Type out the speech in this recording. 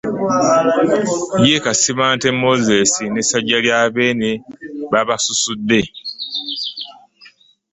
Ye Kasibante Moses ne Ssajjalyabeene babasusudde